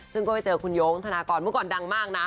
ซึ่งก็ไปเจอคุณโย้งธนากรเมื่อก่อนดังมากนะ